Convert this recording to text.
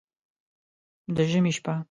د ژمي شپه